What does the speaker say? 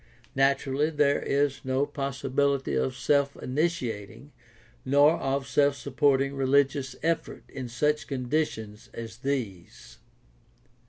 Naturally there is no possibility of self initiating nor of self supporting religious effort in such conditions as these.